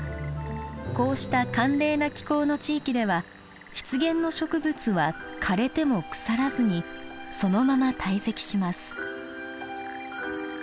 こうした寒冷な気候の地域では湿原の植物は枯れても腐らずにそのまま堆積します。